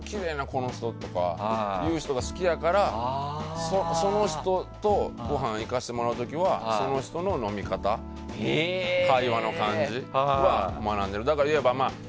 この人っていう人が好きだからその人とごはん行かせてもらう時はその人の飲み方や会話の感じは学んでいる。